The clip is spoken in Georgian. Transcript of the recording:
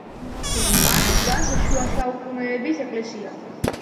აქ დგას შუა საუკუნეების ეკლესია.